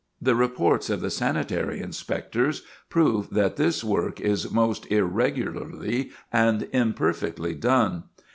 The reports of the sanitary inspectors prove that this work is most irregularly and imperfectly done.